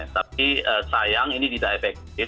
tapi sayang ini tidak efektif